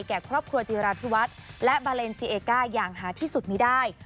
แก่ครอบครัวจีราธิวัฒน์และบาเลนซีเอก้าอย่างหาที่สุดมีได้